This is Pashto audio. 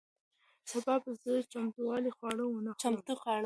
سبا به زه چمتو خواړه ونه خورم.